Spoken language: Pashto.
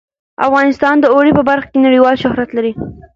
افغانستان د اوړي په برخه کې نړیوال شهرت لري.